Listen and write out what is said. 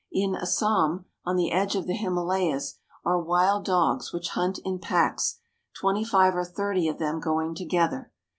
In Assam, on the edge of the Himalayas, are wild dogs which hunt in packs, twenty five or thirty of them going together.